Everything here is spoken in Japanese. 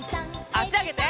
あしあげて。